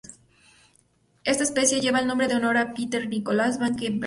Esta especie lleva el nombre en honor a Pieter Nicolaas van Kampen.